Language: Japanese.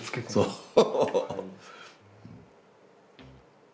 そう。